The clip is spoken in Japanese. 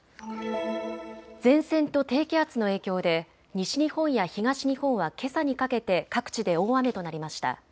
前線と低気圧の影響で西日本や東日本はけさにかけて各地で大雨となりました。